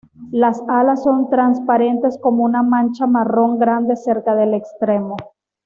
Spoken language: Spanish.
Las alas son transparentes con una mancha marrón grande cerca del extremo.